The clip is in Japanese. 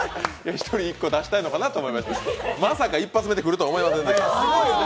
一人１個出したいのかなと思いまして、まさか一発目で来るとは思いませんでした。